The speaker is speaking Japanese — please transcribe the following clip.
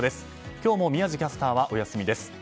今日も宮司キャスターはお休みです。